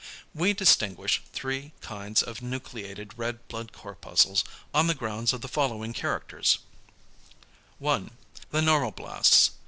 We distinguish three kinds of nucleated red blood corpuscles on the grounds of the following characters; 1. =The normoblasts.